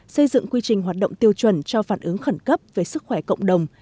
xây dựng quy trình hoạt động tiêu chuẩn cho phản ứng khẩn cấp về sức khỏe cộng đồng